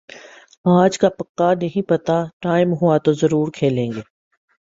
آج کا پکا نہیں پتا، ٹائم ہوا تو زرور کھیلیں گے۔